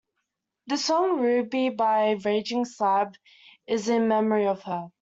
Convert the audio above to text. The song "Ruby", by Raging Slab, is in memory of her.